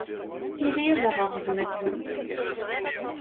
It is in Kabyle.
Tili ad aɣeɣ gma-twent.